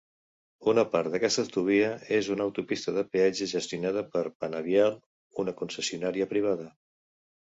Una part d'aquesta autovia és una autopista de peatge gestionada per Panavial, una concessionària privada.